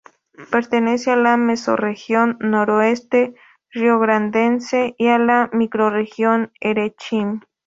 Pertenece a la Mesorregión Noroeste Rio-Grandense y a la Microrregión Erechim.